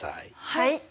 はい。